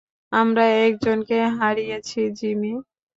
আমরা একজনকে হারিয়েছি, জিমি।